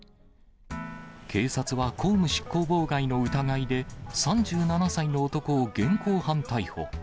警察は公務執行妨害の疑いで、３７歳の男を現行犯逮捕。